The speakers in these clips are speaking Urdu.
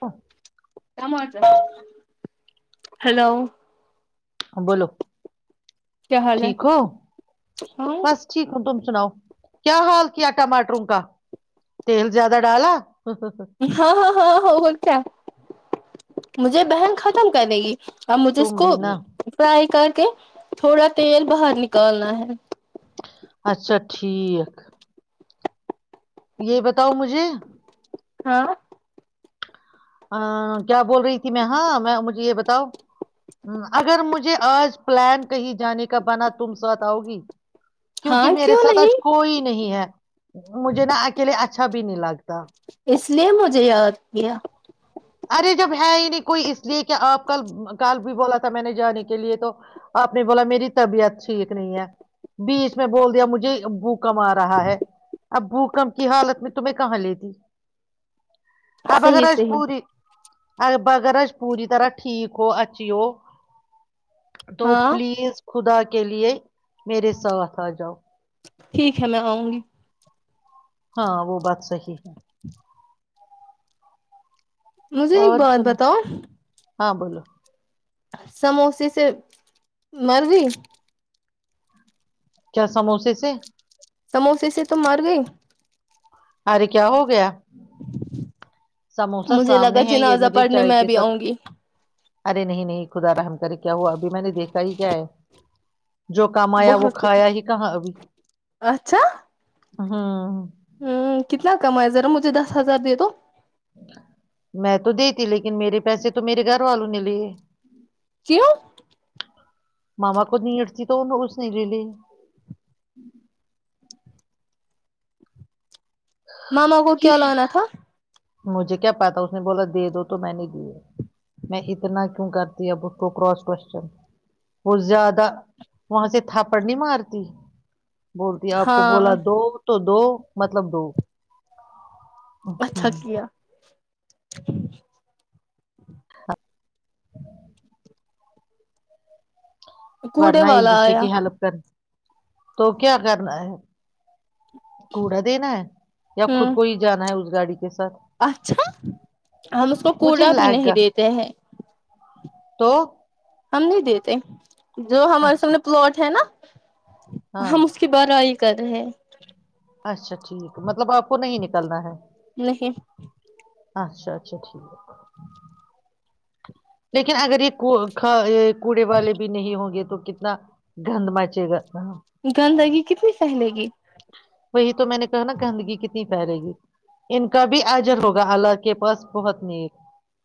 ا ہلو بولو کیا حال ہے ٹھیک ہو ہاں بس ٹھیک ہو تم سناؤ کیا حال کیا ٹماٹروں کا تیل زیادہ ڈالا ہاں ہاں ہاں ہوگا کیا مجھے بہن ختم کرنے گی ا مجھے اس تم کو بھی نا فرائی کر تھوڑا تیل باہر نکالنا ہے اچھا ٹھیک یہ بتاؤ مجھے ہاں ا کیا بول رہی تھی میں ہاں میں مجھے یہ بتاؤ ہ اگر مجھے آج پلان کہیں جانے کا بنا تم ساتھ آؤ گی ہاں کیونکہ میرے کیوں ساتھ آج نہیں کوئی نہیں ہے مجھے نا اکیلے اچھا اچھا بھی نہیں لگتا اس لیے مجھے یاد گیا ارے جب ہے ہی نہیں کوئی اس لیے کیا آپ کل کل بھی بولا تھا میں نے جانے کے لیے تو آپ نے بولا میری طبیعت ٹھیک نہیں ہے بیچ میں بول دیا مجھے بھوکم آ رہا ہے اب بھوکم کی حالت میں تمہیں کہاں لیتی آ بگر صحیح راج صحیح پوری ا بگررج پوری طرح ٹھیک ہو اچھی ہو تو ہاں پلیز خدا کے لیے میرے ساتھ آ جاؤ ٹھیک ہے میں آؤں گی ہاں وہ بات صحی ہے [inaudible] مجھے ایک اور بات سن بتاؤ ہاں بولو سموسیے سے مرضی کیا سموسے سے سموسے سے تو مار گئی ارے کیا ہو گیا [inaudible] سموسہ مجھے سامنے لگا ہے یہ جنازہ مجھے پڑھنے چائے میں کے بھی ساتھ آؤں گی ارے نہیں نہیں خدا رحم کرے کیا ہوا ابھی میں نے دیکھا ہی کیا ہے جو کم آیا وہ بہت کچھ کھایا ہی کہاں ابھی ہاں ہوں کتنا کمایا ذرا مجھے دس ہزار دے تو میں تو دی تھی لیکن میرے پیسے تو میرے گھر والوں نے لیے کیوں ماما کو نی اٹتی تو اس نے ل لی ماما کو کیا لی لانا تھا مجھے کیا پا اس نے بولا دے دو تو میں نے دیے میں اتنا کیوں کرتی اب اس کو کراس کوشچن وہ زیادہ وہاں سے تھپڑ نہیں مارتی بولتی ہے آپ کو بولا ہاں دو تو دو مطلب دو اچھا ہوں، کیا ج ہ کوڑے نا ایک والا دوسرے آیا کی ہیلپ کرنی تو کیا کرنا ہے کوڑا دینا ہے یا خود ہوں کو ہی جانا ہے اس گاڑی کے ساتھ اچھا ہم اس کو مجھے کوڑا بھی لگ نہیں گا دیتے ہیں تو ہممد دیتے جو ہمارے اچھا سامنے پلاٹ ہے نا ہاں مشکی بار آئی کر رہے اچھا ٹھیک مطلب آپ کو نہیں نکلنا ہے نہیں اچھا اچھا ٹھیک ہے لیکن اگر یہ کوڑے والے بھی نہیں ہوں گے تو کتنا گند مچے گا گندگی کتنی سہنے گی وہی تو میں نے کہا نا گندگی کتنی پھیلے گی ان کا بھی اجر ہوگا اللہ کے پاس بہت نیک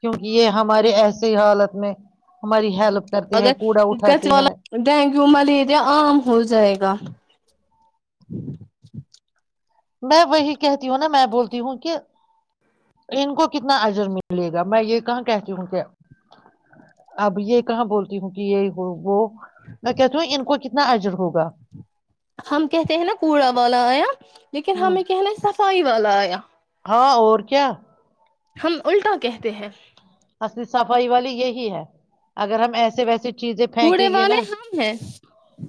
کیونکہ یہ ہمارے ایسی حالت میں ہماری ہیل اگر گس والا ڈینگو ملیریا عام ہو جائے گا میں وہی کہتی ہوں نا میں بولتی ہوں کہ ان کو کتنا اجر ملے گا میں یہ کہاں کہتی ہوں کہ اب یہ کہاں بولتی ہوں کہ یہ وہ میں کہتی ہوں ان کو کنا تنا اجڑ ہوگا ہم کہتے ہیں نا کوڑا والا آیا لیکن ہ ہمیں کہ نا سب سائی والا آیا ہاں اور کیا ہم الٹا کہتے ہیں الی صفائی والی یہی ہے اگر ہم ایسے ویسے چیزیں کوڑے پھینکیں گے والے نا ہم ہیں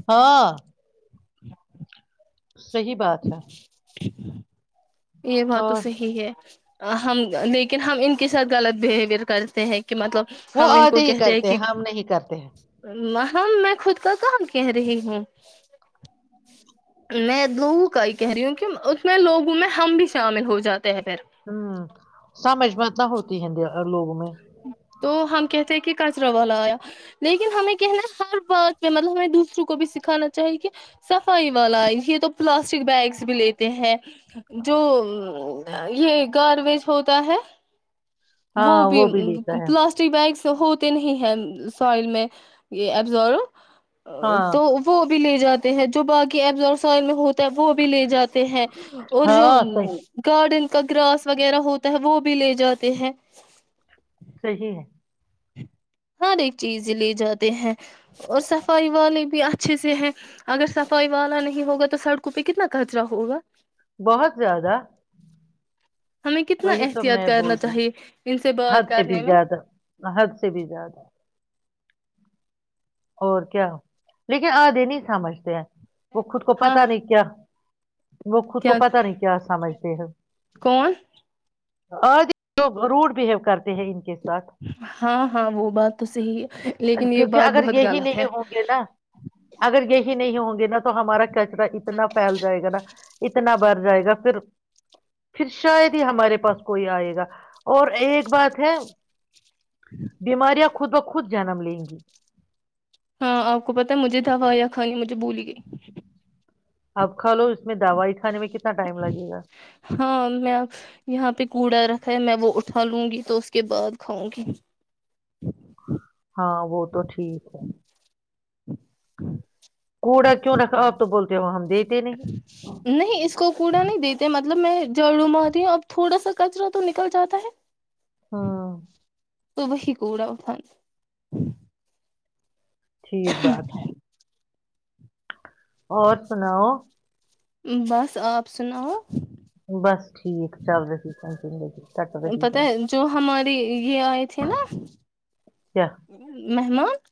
ہاں صحی بات ہے ٹھیک ہے یہ بات تو اور صحی ہے ہم لیکن ہم ان کے ساتھ غلط بہیویر کرتے ہیں کہ مطلب وہ ہم ان کو آدھے ہی کہتے ہیں کرتے کہ ہم نہیں کرتے ہیں ہاں میں خود کا کام کہ رہی ہوں میں دو [unintelligible] [inaudible] ہوں سمجھ میںت ہوتی ہند لگ میں تو ہم کہتے ہیں کہ کچرا والا آیا لیکن ہمیں کہنا ہر بات میں مطلب ہمیں دوسروں کو بھی سکھانا چاہیے کہ صفائی والا یہ تو پلاسٹک بیگس بھی لیتے ہیں جو یہ گاربیج ہوتا ہے ہاں وہ بھی لیتا ہے پلاسٹک بیگس ہوتے نہیں ہے سوائل میں یہ ابز ہاں تو وہب لے جاتے ہیں جو بای ایبز اور سائل ہوتے وہ بھی لے جاتے ہیں اور جو ہاں صحیح گارڈن کا گراس وغیرہ ہوتا ہے وہ بھی لے جاتے ہیں صی ہے ہر ایک چیز لے جاتے ہیں اور صفائی والے بھی اچھے سے ہیں اگر صفائی والا نہیں ہوگا تو سڑکوں پہ کتنا خچرہ ہوگا بہت زیادہ ہمیں کتنا وہی تو احتیاط میں کرنا بولتی چاہیے ان سے حد بات سے بھی کرنے میں زیادہ حد سے بھی زیادہ اور کیا لیکن آ دے نہیں سمجھتے ہیں وہ خود کو ہاں پتا نہیں کیا وہ خود کو کیا پتا نہیں کیا سمجھتے ہیں کون آد لوگ روڈ بہیو کرتے ہیں ان کے ساتھ ہاں ہاں وہ بات تو صحی ہے لیکن یہ بات بہت گم ہی نہیں ہوں گے نا اگر یہی نہیں ہوں گے نا تو تو ہمارا کیا اتنا پھیل جائے گا نا اتنا بر جائے گا پھر پھر شاید ہی ہمارے پاس کوئی آئے گا اور ایک بات ہے بیماریاں خود و خود جنم لیں گی ہاں آپ کو پتا مجھے دا یا کجے ج بولی گئی اب کھا لو اس میں دوائی کھانے میں کتنا ٹائم لگے گا ہاں میں یہاں پہ کوڑر ہے میں وہ اٹھا لوں گی تو اس کے بعد کھاؤں گی ہاں وہ تو ٹھیک ہے ہ ہوں کوڑا کیوں رکھا آپ تو بولتا ج ہاں نہیں اس کو کوڑا نہیں دیتے مطل مطلب میں جڑوں م آتیی ہوں اب تھوڑا سا کچرا تو نکل جاتا ہے [unintelligible] ہاں تو وہی کوڑا ا پن ٹھیک بات ہے اور سناؤ بس آپ سناؤ بس ٹھیک چل رہی تھی س زندگی کٹ رہی پتہ ہے جو ہمار [unintelligible] یہ آئے تھے نا کیا مہمان چ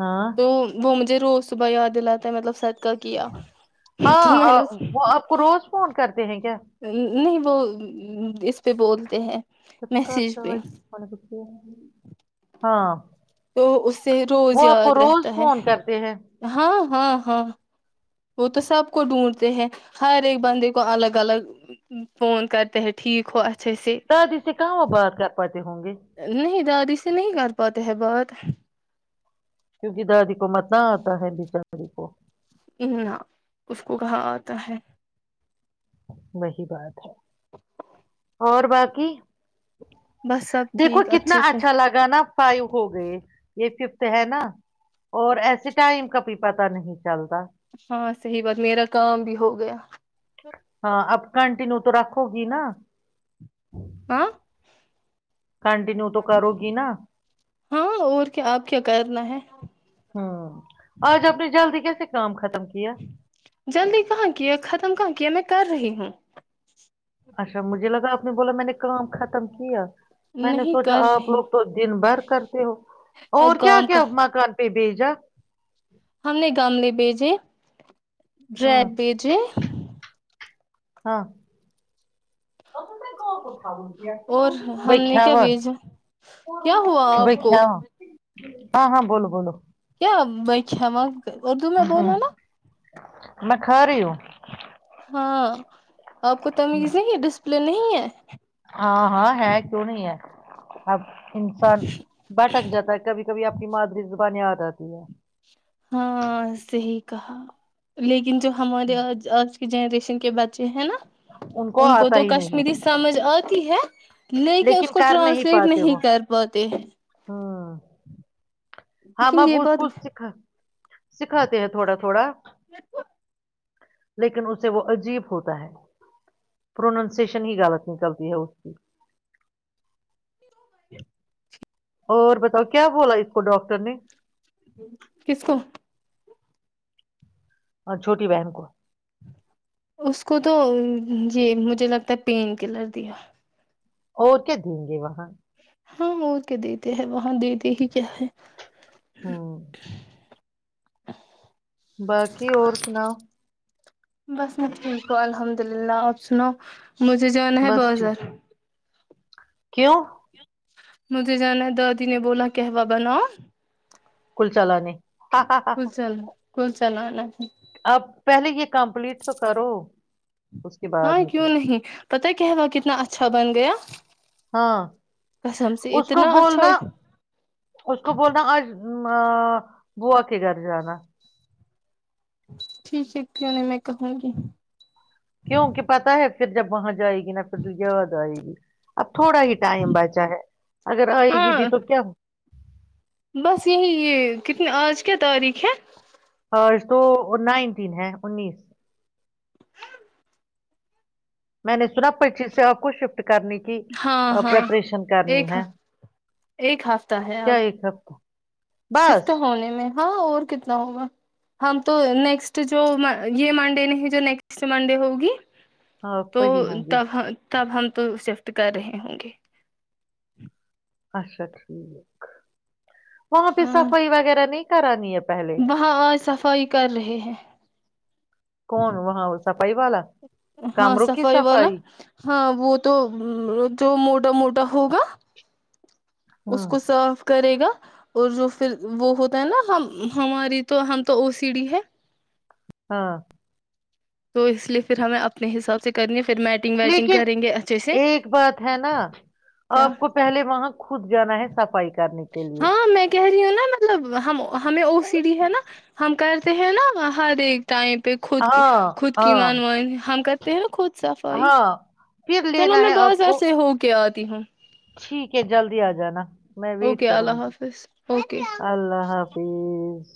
ہاں تو وہ مجھے ج روز صبح د علاتے ہے مطلب کیا تو میں ہاں نے وہ آپ کو روز فون کرتے ہے گ نہیں وہ اس پہ بولتے ہیں سبسکرائب میسج پہ کرو، فون کو ہاں تو اس سے روز وہ آپ کو یاد روز رہتا ہے فون کرتے ہیں ہاں ہاں ہاں وہ تو سب کو ڈھونڈتے ہیں ہر ایک بندے کو الگ الگ فون کرتے ہیں ٹھیک ہو اچھے سے دادی سے کہاں وہ بات کر پاتے ہوں گے نہیں دادی سے نہیں کر پاتے ہیں بات کیونکہ دادی کو متہ آتا ہے بچی کو نہ اس کو کہا آتا ہے وہی بات ہے اور باقی بس سب دیکھو ٹھیک کتنا اچھے سے اچھا لگا نا فائیو ہو گئے یہ ففٹی ہے نا اور ایسے ٹائم کا بھی پتا نہیں چلتا صحی بات میرا کام بھی ہو گیا ہاں اب کنٹینو تو رکھو گی نا آ کنٹینیو تو کرو گی نا ہاں اور کیا آپ کیا کرنا ہے ہ ہوں آج اپنی جلدی کیسے کام خطم جلدی کہاں کیا ختم کہاں کیا میں کر رہی ہاں اچھا مجھے لگا آپ نے بولا میں نے کام ختم کیا میں نے نہیں سوچا کر آپ رہی لوگ تو دن بھر کرتے ہو اور کیا کام کا کیا مکان پ بی جا ہم نے گم لے بھیجے بریڈ ہوں بیج ہاں اور ہم بھائی نے کیا کھیاون بھیجا کیا ہوا بھائی آپ کو کھیاون ہاں ہاں بولو بولو کیا میںاں اردو میں بولا ہوں نا میں خ رہوں ہاں آپ کو تمیزیں گ ڈ پل نہیں ہے ہاں ہاں ہے کیوں نہیں ہے اب انسان بھٹک جاتا ہے کبھی کبھی آپ کی مادری زبان آ رتی ہے ہاں صی کہا لیکن لیکن جو ہمارے آج آج جنریشن کے بچے ہے نا ان کو آتا تو ہی نہیں کشمیری ہے سمجھ آ تی ہے لے کے اس لیکن کو کر ٹرانسلیٹ پاتے نہیں وہ کر پاتے ہیں ہاں م لیکن یہ بوچ کھ بات سکھا سکھاتے ہیں تھوڑا تھوڑا لیکن اسے وہ عجیب ہوتا ہے پروننسیشن ہی غلط نکلتی ہے اس کی اور بتاؤ کیا بولا اس کو ڈاکٹر نے کس کو اور چھوٹی بہن کو اس کو تو یہ مجھے لگتا ہے پین کلر دیا اور کیا دیں گے وہاں ہاں مور کے دیتے ہیں وہاں دیتے ہی کیا ہے ہاں اور سناؤ بس میں ٹھیک ہ الحمد للہ آپ سنو مجھے جانا ہے بس ٹھیک بازار کیوں مجھے جانا ہے دادی نے بولا کہوہ بناؤ کلچال نے سلا اب پہلے یہ کمپلیٹ تو کرو اس کے بعد ہاں کیوں نکلو نہیں پت کیا ہوا کتنا اچھا بن گیا ہاں قسم سے اس کو اتنا اچھا بولنا اس کو بولنا آج آ بوو کے گھر جانا ٹھیک ہے کیوں نہیں میںیک اپوں گی کیوںک پتا ہے پھر جبا ہاں آائے گی نہ پھر دجا باز آئے گی اب تھوڑا ہی ٹائم بچا ہے اگر آئے گی ہاں ت تو کیا ہو بس یہی یہ کتنے آج کیا تاریخ ہے اور تو نائن تین ہے انیس میں نے سنا پرچیز سے آپ کو شف کرنی کی ہاں ہاں پرریپریشن کرنی ایک ہے ایک ہفتہ ہے کیا اب ایک ہفت شفٹ ہونے میں ہاں اور کتنا ہوگا ہم تو نیکسٹ جو یہ منڈے نہیں جو نیکسٹ منڈے ہوگی آپ تو وہی ہوں ت گے تب ہم تو شفٹ کر رہے ہوں گے اچھا ٹھیک وہاں پ ہاں صفائی وغیرہ نہیں کررانی آپ وہاں آج صفائی کر رہے ہیں پائی والا ہاں کمروں کی صفائی والا ہاں وہ تو جو موڈ موٹا موٹا ہوگا اس ہاں کو سرف کرے گا اور جو پھر وہ ہوتا ہے نا ہم ہماری تو ہم تو او س ڈی ہے ہاں تو اس لیے پھر ہمیں اپنے حساب سے کرنی ہے پھر میٹنگ ویٹنگ لیکن کریں گے اچھے سے ایک بات ہے نا کیا آپ کو پہلے وہاں خود جانا ہے صفائی کا کرنے کے لیے ہاں میں کہہ نا مطلب ہم ہمیں او سی ڈی ہے نا ہم کرتے ہیں نا ہر ایک ائم پ خود ہاں خود کیی ہاں موانی ہم کر تم خ صفائی ہاں پھر چلو لینا میں ہے آپ بازار کو سے ہو کے آج تی ہوں ٹھیک ہے جلدی آ جانا میں ویٹ اوکے کروں اللہ گی حافظ اوکے اللہ حافظ